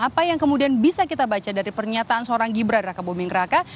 apa yang kemudian bisa kita baca dari pernyataan seorang gibran raka buming raka